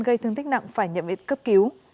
gây thương tích nặng phải nhậm ít cấp cứu